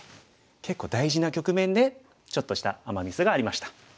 結構大事な局面でちょっとしたアマ・ミスがありました。